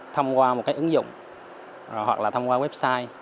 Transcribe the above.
thông qua một cái ứng dụng hoặc là thông qua website